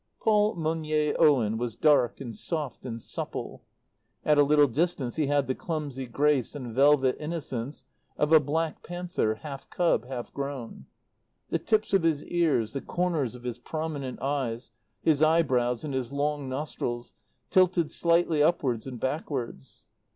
Paul Monier Owen was dark and soft and supple. At a little distance he had the clumsy grace and velvet innocence of a black panther, half cub, half grown. The tips of his ears, the corners of his prominent eyes, his eyebrows and his long nostrils tilted slightly upwards and backwards.